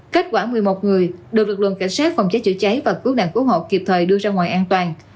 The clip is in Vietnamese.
kết quả một mươi một người được lực lượng cảnh sát phòng cháy chữa cháy và cứu nạn cứu hộ kịp thời đưa ra ngoài an toàn